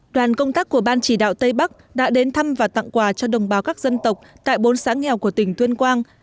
đoàn công tác của ban chỉ đạo tây bắc đã đến thăm và tặng quà cho đồng bào các dân tộc tại bốn xã nghèo của tỉnh tuyên quang